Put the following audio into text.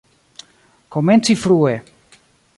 Komenci frue!